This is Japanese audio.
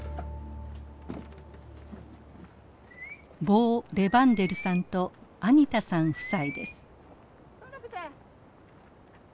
ボー・レバンデルさんとアニタさん夫妻です。